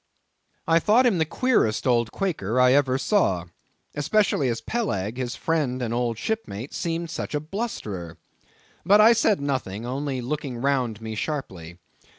I thought him the queerest old Quaker I ever saw, especially as Peleg, his friend and old shipmate, seemed such a blusterer. But I said nothing, only looking round me sharply.